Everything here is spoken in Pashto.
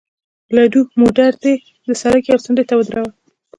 الدو، موټر دې د سړک یوې څنډې ته ودروه.